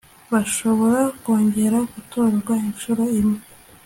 bashobora kongera gutorwa inshuro imwe